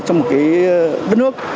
trong một đất nước